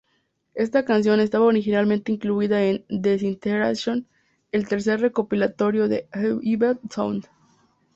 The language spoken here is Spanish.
Esta canción estaba originalmente incluida en Disintegration, el tercer recopilatorio de I've Sound.